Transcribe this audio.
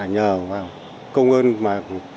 nhờ công ơn mà